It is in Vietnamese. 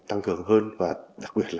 tăng cường hơn